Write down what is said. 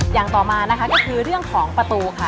อย่างต่อมานะคะก็คือเรื่องของประตูค่ะ